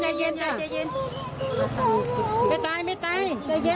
ตายพ่อตายพ่อตาย